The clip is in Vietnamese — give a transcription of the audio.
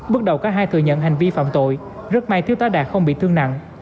bước đầu cả hai thừa nhận hành vi phạm tội rất may thiếu tá đạt không bị thương nặng